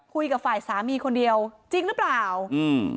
คุยกับฝ่ายสามีคนเดียวจริงหรือเปล่าอืม